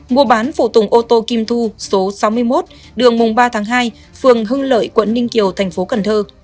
mùa bán phụ tùng ô tô kim thu số sáu mươi một đường mùng ba tháng hai phường hưng lợi quận ninh kiều tp cn